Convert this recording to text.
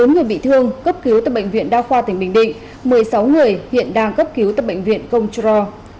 bốn người bị thương cấp cứu tại bệnh viện đa khoa tỉnh bình định một mươi sáu người hiện đang cấp cứu tại bệnh viện công tru